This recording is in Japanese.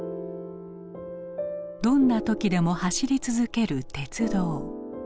どんな時でも走り続ける鉄道。